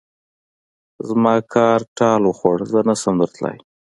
زما کار ټال وخوړ؛ زه نه شم درتلای.